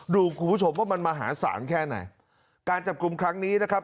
คุณผู้ชมว่ามันมหาศาลแค่ไหนการจับกลุ่มครั้งนี้นะครับ